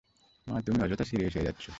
মা তুমি অযথা সিরিয়াস হয়ে যাচ্ছ।